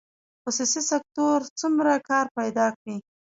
خصوصي سکتور څومره کار پیدا کړی؟